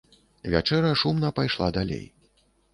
Вячэра шумна пайшла далей.